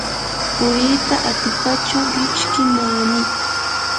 puriita atipachu kichki naanipa.